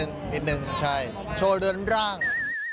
นิดนึงใช่โชว์เรือนร่าง